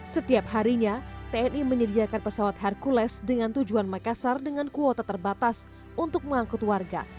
setiap harinya tni menyediakan pesawat hercules dengan tujuan makassar dengan kuota terbatas untuk mengangkut warga